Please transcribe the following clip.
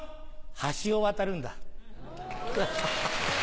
ハシを渡るんだ。